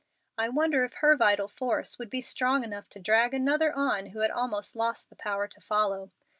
I wonder if her vital force would be strong enough to drag another on who had almost lost the power to follow.